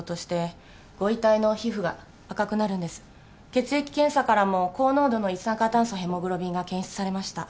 血液検査からも高濃度の一酸化炭素ヘモグロビンが検出されました。